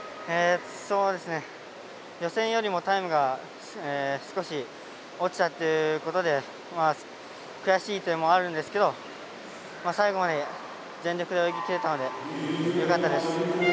そうですね予選よりもタイムが少し落ちたっていうことでまあ悔しいというのもあるんですけど最後まで全力で泳ぎ切れたのでよかったです。